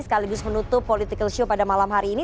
sekaligus menutup political show pada malam hari ini